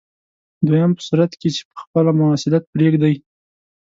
دویم په صورت کې چې په خپله مواصلت پرېږدئ.